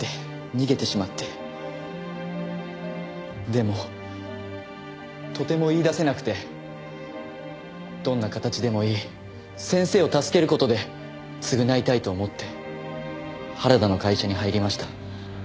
でもとても言い出せなくてどんな形でもいい先生を助ける事で償いたいと思って原田の会社に入りました。